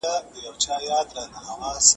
د نجونو تعليم د ګډو خدمتونو همغږي زياتوي.